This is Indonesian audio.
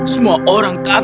semua orang takut padamu